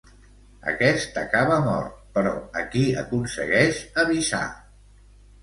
Aquest acaba mort, però a qui aconsegueix avisar?